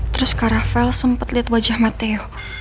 terus kak rafael sempet liat wajah matteo